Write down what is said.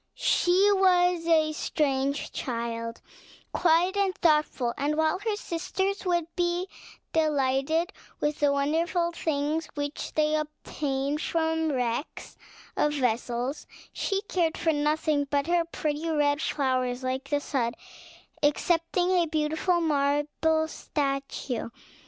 She was a strange child, quiet and thoughtful; and while her sisters would be delighted with the wonderful things which they obtained from the wrecks of vessels, she cared for nothing but her pretty red flowers, like the sun, excepting a beautiful marble statue.